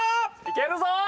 いけるぞ！